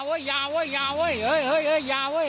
เอ้ยยาวเว้ยยาวเว้ยยาวเว้ย